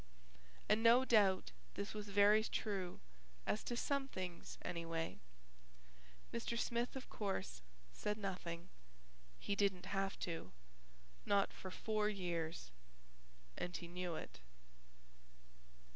And no doubt this was very true, as to some things, anyway. Mr. Smith, of course, said nothing. He didn't have to, not for four years, and he knew it.